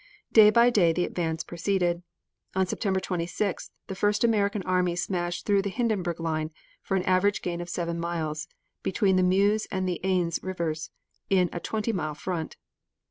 Day by day the advance proceeded. On September 26th, the first American army smashed through the Hindenburg line for an average gain of seven miles, between the Meuse and the Aisne rivers on a twenty mile front.